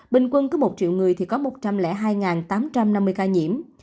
bình quân cứ một triệu người thì có một trăm linh hai tám trăm năm mươi ca nhiễm